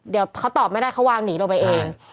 เดี๋ยวเขาตอบไม่ได้เขาวางหนีลงไปเอง